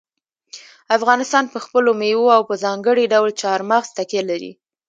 افغانستان په خپلو مېوو او په ځانګړي ډول چار مغز تکیه لري.